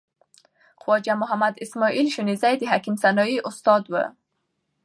خواجه محمد اسماعیل شنیزی د حکیم سنایی استاد و.